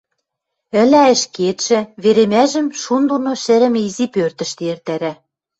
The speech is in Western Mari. Ӹлӓ ӹшкетшӹ, веремӓжӹм шун доно шӹрӹмӹ изи пӧртӹштӹ эртӓрӓ.